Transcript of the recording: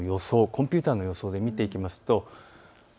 コンピューターの予想で見ていきますと。